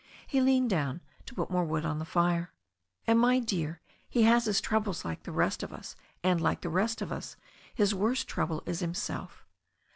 He leaned down to put more wood on the fire. ''And, my dear, he has his troubles like the rest of us, and, like the rest of us, his worst trouble is himself.